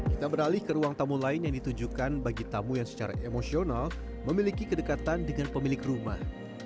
kita beralih ke ruang tamu lain yang ditujukan bagi tamu yang secara emosional memiliki kedekatan dengan pemilik rumah